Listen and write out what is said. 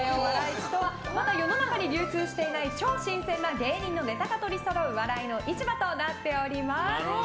市とはまだ世の中に流通していない超新鮮な芸人のネタが取りそろう笑いの市場となっております。